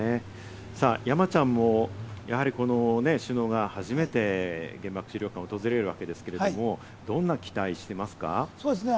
山ちゃんも首脳が初めて原爆資料館を訪れるわけですけれども、どんな期待をしていますか？